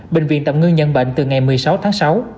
bệnh viện tậm ngưng nhân bệnh từ ngày một mươi sáu tháng sáu